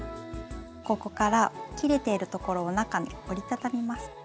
ここから切れているところを中に折りたたみます。